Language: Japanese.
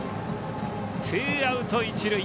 ツーアウト、一塁。